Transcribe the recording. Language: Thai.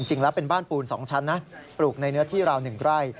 จริงแล้วเป็นบ้านปูน๒ชั้นนะปลูกในเนื้อที่ราว๑ไร่